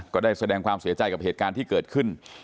ก็ได้แสดงความเสียใจกับเหตุการณ์ที่เกิดขึ้น